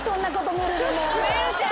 めるちゃん！